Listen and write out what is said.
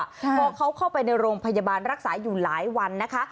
พอเขาเข้าไปในโรงพยาบาลรักษาอยู่หลายวันนะคะ